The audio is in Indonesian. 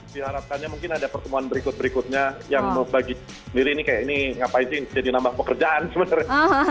diharapkannya mungkin ada pertemuan berikut berikutnya yang membagi sendiri ini kayak ini ngapain sih jadi nambah pekerjaan sebenarnya